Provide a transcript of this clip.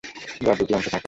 যার দুইটি অংশ থাকে।